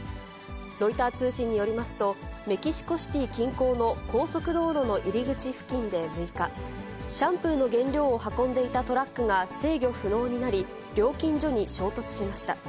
ロイター通信によりますと、メキシコシティー近郊の高速道路の入り口付近で６日、シャンプーの原料を運んでいたトラックが制御不能になり、料金所に衝突しました。